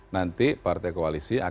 nanti partai koalisi akan